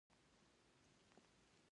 د کابل په سروبي کې څه شی شته؟